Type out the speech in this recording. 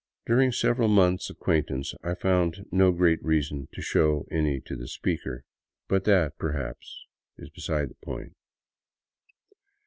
During several months' acquaintance I found no great reason to show any to the speaker; but that, perhaps, is be side the point.